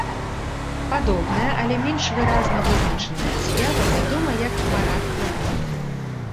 Падобная, але менш выразна вызначаная з'ява вядома як парад планет.